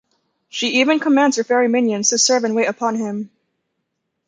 She even commands her fairy minions to serve and wait upon him.